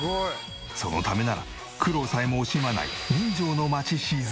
そのためなら苦労さえも惜しまない。